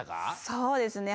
そうですね。